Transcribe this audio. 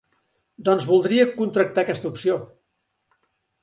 Doncs voldria contractar aquesta opció.